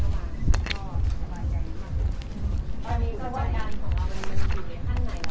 ตอนนี้ก็ว่าการของเรามันอยู่ในข้างใน